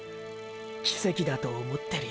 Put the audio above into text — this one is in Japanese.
キセキだと思ってるよ。